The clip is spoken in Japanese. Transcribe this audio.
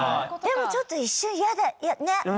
でもちょっと一瞬嫌だねっ。